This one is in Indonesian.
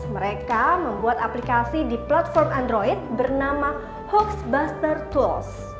mereka membuat aplikasi di platform android bernama hoax buster tools